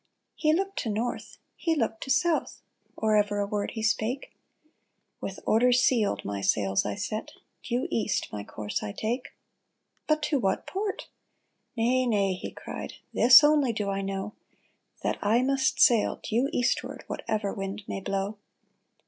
He looked to north, he looked to south, Or ever a word he spake ; *'With orders sealed my sails I set — Due east my course I take." " But to what port ?"" Nay, nay," he cried, '' This only do I know, That I must sail due eastward Whatever wind may blow."